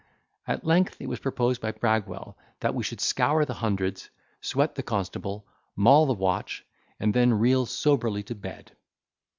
At length, it was proposed by Bragwell, that we should scour the hundreds, sweat the constable, maul the watch, and then reel soberly to bed.